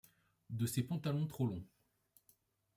De ses pantalons Trop longs.